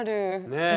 ねえ。